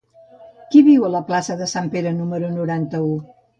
Qui viu a la plaça de Sant Pere número noranta-u?